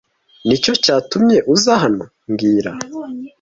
Nicyo cyatumye uza hano mbwira